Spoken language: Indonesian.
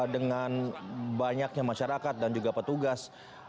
dengan banyaknya masyarakat dan juga petugas